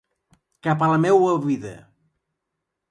Cap a la meua vida.